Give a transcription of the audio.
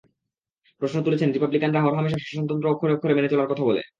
প্রশ্ন তুলেছেন, রিপাবলিকানরা হরহামেশা শাসনতন্ত্র অক্ষরে অক্ষরে মেনে চলার কথা বলে।